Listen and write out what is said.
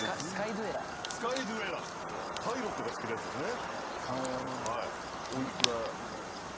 パイロットが着けるやつですね。